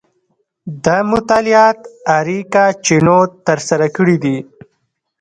دا مطالعات اریکا چینوت ترسره کړي دي.